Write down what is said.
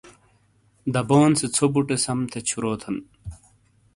دبون سے ژھو بُوٹے سم تھےچھُوروتھن!